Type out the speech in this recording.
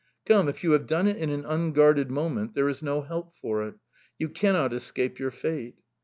Come, if you have done it in an unguarded moment there is no help for it! You cannot escape your fate!"